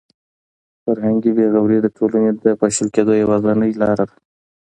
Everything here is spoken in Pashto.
فرهنګي بې غوري د ټولنې د پاشل کېدو یوازینۍ لاره ده.